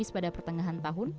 selama beberapa bulan